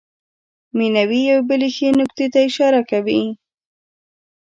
مینوي یوې بلې ښې نکتې ته اشاره کوي.